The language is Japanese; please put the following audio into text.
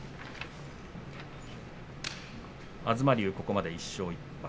東龍、ここまで１勝１敗